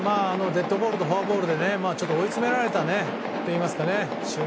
デッドボールとフォアボールで追い詰められたといいますか。